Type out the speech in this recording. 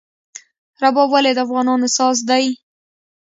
رباب ولې د افغانانو ساز دی؟